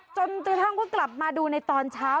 จนตีธันก็กลับมาดูในตอนเช้า